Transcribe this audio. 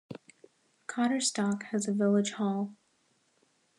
Cotterstock has a village hall.